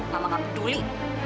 mama gak peduli